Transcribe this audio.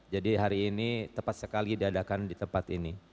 hari ini tepat sekali diadakan di tempat ini